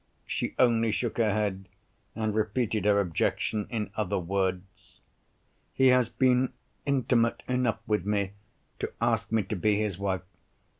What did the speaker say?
She only shook her head, and repeated her objection in other words. "He has been intimate enough with me to ask me to be his wife.